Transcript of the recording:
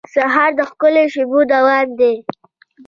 سهار د ښکلو شېبو دوام دی.